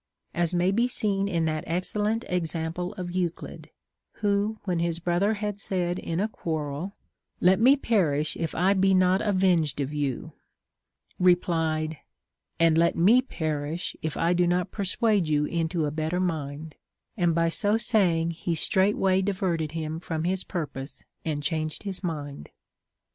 As may be seen in that excellent example of Euclid, who, when his brother had said in a quarrel, [iOt me perish if I be not avenged of you, replied, And let me perish if I do not persuade you into a better mind ; and by so saying he straightway diverted him from his purpose, and changed his mind.